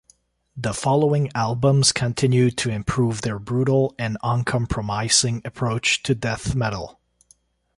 The following albums continued to improve their brutal and uncompromising approach to death metal.